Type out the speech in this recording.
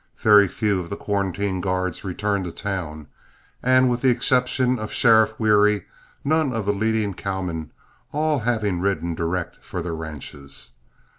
Very few of the quarantine guards returned to town, and with the exception of Sheriff Wherry, none of the leading cowmen, all having ridden direct for their ranches.